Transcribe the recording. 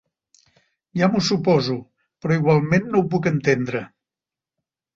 Ja m'ho suposo, però igualment no ho puc entendre.